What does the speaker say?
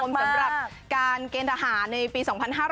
สำหรับการเกณฑหาในปี๒๕๖๒